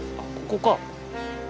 ここか。